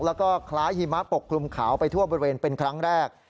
แล้วก็คล้ายหิมะปกคลุมขาวไปทั่วบริเวณเป็นครั้งแรก